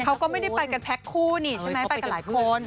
เขาก็ไม่ได้ไปกันแพ็คคู่บ้างไปกันกับหลายคน